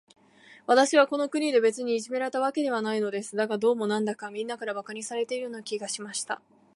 私はこの国で、別にいじめられたわけではないのです。だが、どうも、なんだか、みんなから馬鹿にされているような気がしました。